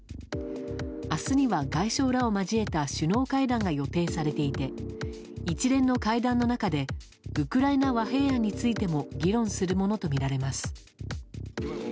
明日には外相らを交えた首脳会談が予定されていて一連の会談の中でウクライナ和平案についても議論するものとみられます。